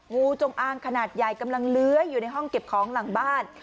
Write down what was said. งูจงอางขนาดใหญ่กำลังเลื้อยอยู่ในห้องเก็บของหลังบ้าน